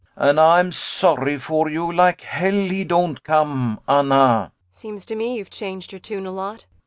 ] And Ay'm sorry for you like hell he don't come, Anna! ANNA [Softened.] Seems to me you've changed your tune a lot.